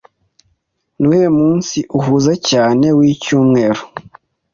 Nuwuhe munsi uhuze cyane wicyumweru?